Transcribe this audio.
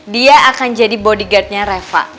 dia akan jadi bodyguard nya reva